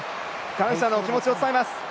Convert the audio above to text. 感謝の気持ちを伝えます。